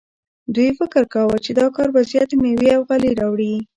دوی فکر کاوه دا کار به زیاتې میوې او غلې راوړي.